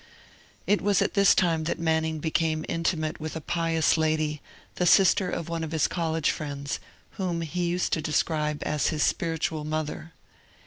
It was at this time that Manning became intimate with a pious lady, the sister of one of his College friends, whom he used to describe as his Spiritual Mother.